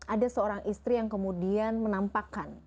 ada seorang istri yang kemudian menampakkan